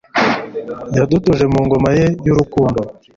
yadutuje mu ngoma ye y'urukundo